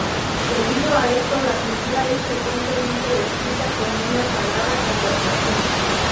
Debido a esto la pintura es frecuentemente descrita como una sagrada conversación.